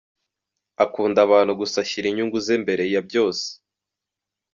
Akunda abantu gusa ashyira inyungu ze imbere ya byose.